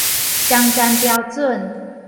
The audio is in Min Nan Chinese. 雙層標準